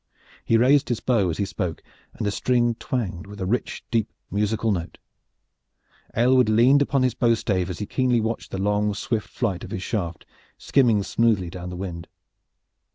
He raised his bow as he spoke, and the string twanged with a rich deep musical note. Aylward leaned upon his bow stave as he keenly watched the long swift flight of his shaft, skimming smoothly down the wind.